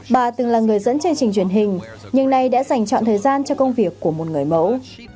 bà từng là người dẫn chương trình truyền hình nhưng nay đã dành chọn thời gian cho công việc của một người mẫu